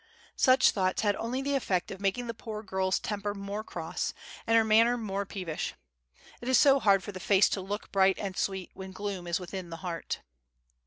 Such thoughts had only the effect of making the poor girl's temper more cross, and her manner more peevish; it is so hard for the face to look bright and sweet when gloom is within the heart.